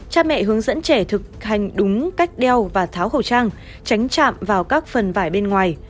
cha mẹ hướng dẫn trẻ thực hành đúng cách đeo và tháo khẩu trang tránh chạm vào các phần vải bên ngoài